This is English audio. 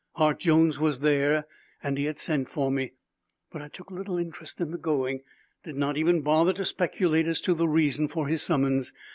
Hart Jones was there and he had sent for me. But I took little interest in the going; did not even bother to speculate as to the reason for his summons.